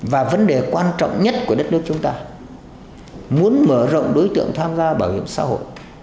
và vấn đề quan trọng nhất của đất nước chúng ta muốn mở rộng đối tượng tham gia bảo hiểm xã hội